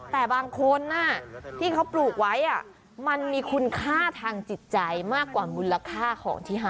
แต่บางคนที่เขาปลูกไว้มันมีคุณค่าทางจิตใจมากกว่ามูลค่าของที่หา